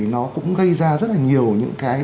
nó cũng gây ra rất là nhiều những cái